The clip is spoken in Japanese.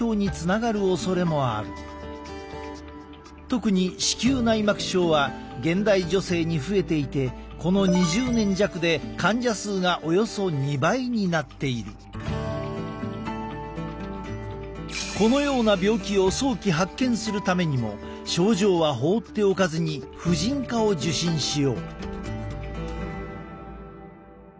特に子宮内膜症は現代女性に増えていてこのような病気を早期発見するためにも症状は放っておかずに婦人科を受診しよう。